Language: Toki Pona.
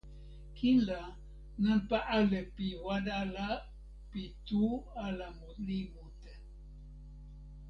kin la, nanpa ale pi wan ala pi tu ala li mute.